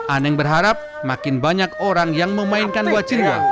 aneng berharap makin banyak orang yang memainkan wacinnya